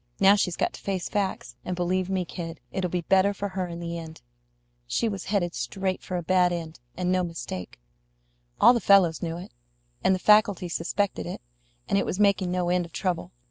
Now she's got to face facts; and believe me, kid, it'll be better for her in the end. She was headed straight for a bad end, and no mistake. All the fellows knew it, and the faculty suspected it; and it was making no end of trouble.